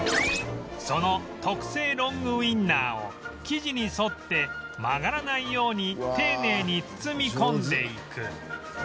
その特製ロングウィンナーを生地に沿って曲がらないように丁寧に包み込んでいく